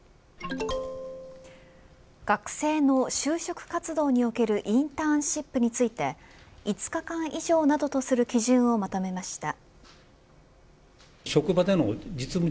学生の就職活動におけるインターンシップについて５日間以上などとする基準をまとめました。